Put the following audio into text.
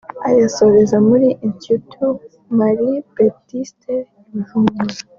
ayasoreza muri Institut Marie Beatrice i Byumba